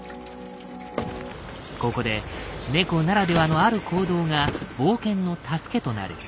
ここで猫ならではのある行動が冒険の助けとなる。